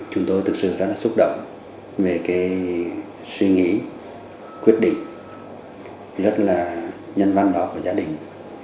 chúng tôi thực sự rất là xúc động về cái suy nghĩ quyết định rất là nhân văn đó của gia đình